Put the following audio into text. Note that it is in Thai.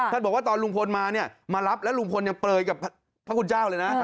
บอกว่าตอนลุงพลมาเนี่ยมารับแล้วลุงพลยังเปลยกับพระคุณเจ้าเลยนะ